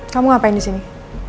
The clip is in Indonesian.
kamu mau ngapain disini